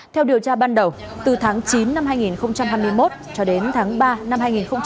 theo điều tra ban đầu từ tháng chín năm hai nghìn hai mươi một cho đến tháng ba năm hai nghìn hai mươi ba